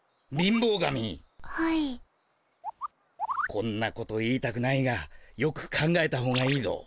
こんなこと言いたくないがよく考えたほうがいいぞ。